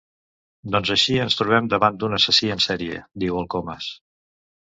Doncs així ens trobem davant d'un assassí en sèrie —diu el Comas.